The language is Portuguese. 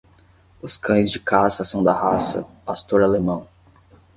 Os cães de caça são da raça Pastor Alemão